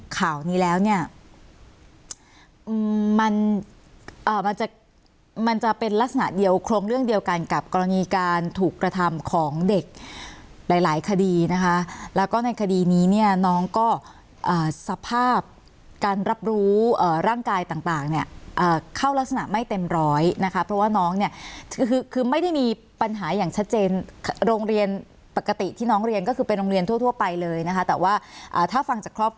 ข่าวนี้แล้วเนี่ยมันมันจะมันจะเป็นลักษณะเดียวโครงเรื่องเดียวกันกับกรณีการถูกกระทำของเด็กหลายหลายคดีนะคะแล้วก็ในคดีนี้เนี่ยน้องก็สภาพการรับรู้ร่างกายต่างเนี่ยเข้ารักษณะไม่เต็มร้อยนะคะเพราะว่าน้องเนี่ยคือคือไม่ได้มีปัญหาอย่างชัดเจนโรงเรียนปกติที่น้องเรียนก็คือเป็นโรงเรียนทั่วไปเลยนะคะแต่ว่าถ้าฟังจากครอบครัว